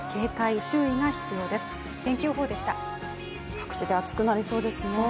各地で暑くなりそうですね。